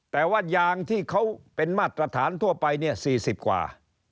แต่ว่ายางที่เขาเป็นมาตรฐานทั่วไปเนี่ย๔๐กว่า